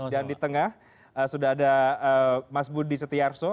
dan di tengah sudah ada mas budi setiarso